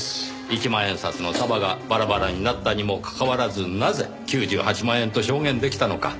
一万円札の束がバラバラになったにもかかわらずなぜ９８万円と証言出来たのか。